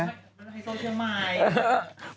ไฮโซเชียมาย